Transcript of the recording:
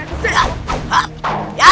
tidak ada apa apa